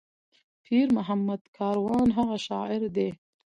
پير محمد کاروان هغه شاعر دى